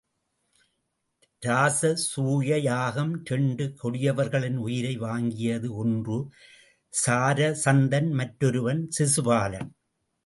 இராச சூய யாகம் இரண்டு கொடியவர்களின் உயிரை வாங்கியது ஒன்று சராசந்தன் மற்றொருவன் சிசுபாலன்.